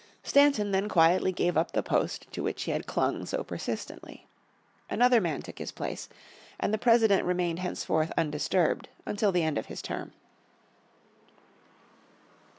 Stanton then quietly gave up the post to which he had clung so persistently. Another man took his place, and the President remained henceforth undisturbed until the end of his term.